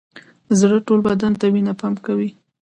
زړه ټول بدن ته وینه پمپ کوي